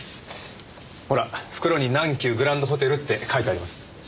ほら袋に南急グランドホテルって書いてあります。